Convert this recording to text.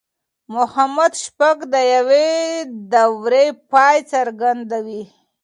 محمد شپږم د يوې دورې پای څرګندوي.